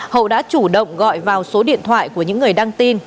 hậu đã chủ động gọi vào số điện thoại của những người đăng tin